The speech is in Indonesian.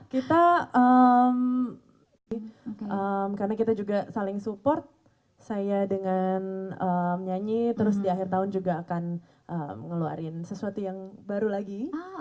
kita karena kita juga saling support saya dengan nyanyi terus di akhir tahun juga akan ngeluarin sesuatu yang baru lagi